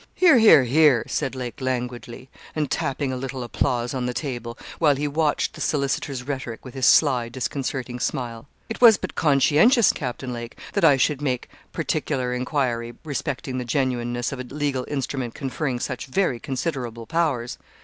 'Hear, hear, hear,' said Lake, languidly, and tapping a little applause on the table, while he watched the solicitor's rhetoric with his sly, disconcerting smile. 'It was but conscientious, Captain Lake, that I should make particular enquiry respecting the genuineness of a legal instrument conferring such very considerable powers.